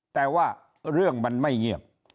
แต่ว่าเรื่องมันไม่เงียบ